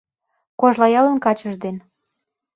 Кожлаялын качыж ден